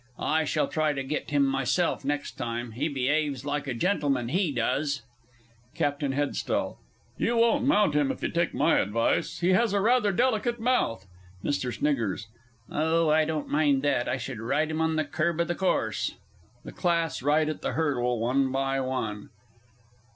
I shall try to get him myself next time. He be'aves like a gentleman, he does. CAPT. H. You won't mount him, if you take my advice he has rather a delicate mouth. MR. S. Oh, I don't mind that I should ride him on the curb o' course. [_The Class ride at the hurdle one by one.